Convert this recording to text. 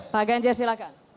pak ganjar silakan